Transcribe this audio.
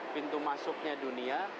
pintu masuknya dunia